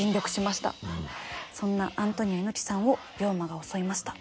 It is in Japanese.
そんなアントニオ猪木さんを病魔が襲いました。